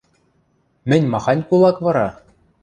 Мӹнь махань кулак вара?